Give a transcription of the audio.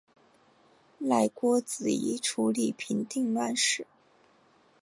赖郭子仪处理平定乱事。